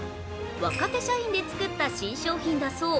若手社員で作った新商品だそう。